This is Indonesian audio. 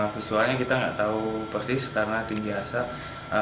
visualnya kita nggak tahu persis karena tinggi asap